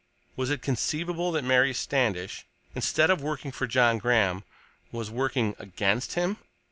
Was it conceivable that Mary Standish, instead of working for John Graham, was working against him?